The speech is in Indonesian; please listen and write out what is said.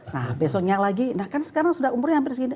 nah besoknya lagi nah kan sekarang sudah umurnya hampir segini